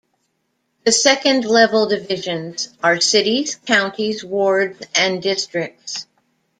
The second-level divisions are cities, counties, wards, and districts.